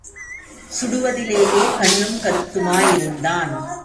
சுடுவதிலேயே கண்ணும் கருத்துமாயிருந்தான்.